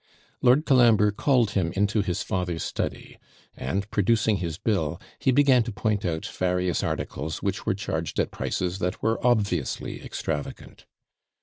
Lord Colambre called him into his father's study; and, producing his bill, he began to point out various articles which were charged at prices that were obviously extravagant.